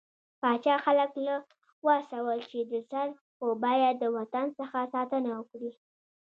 پاچا خلک له وهڅول، چې د سر په بيه د وطن څخه ساتنه وکړي.